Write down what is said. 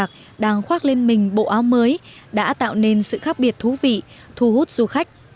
các bộ áo mới đã tạo nên sự khác biệt thú vị thu hút du khách